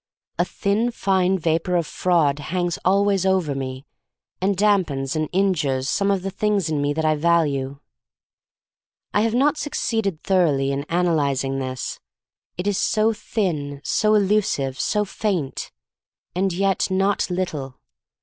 A thin, fine vapor of fraud hangs always over me and dampens and injures some things in me that I value. I have not succeeded thoroughly in analyzing this — it is so thin, so elusive, so faint — and yet not little.